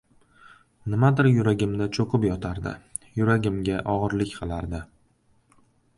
Nimadir yuragimda cho‘kib yotardi, yuragimga og‘irlik qilardi.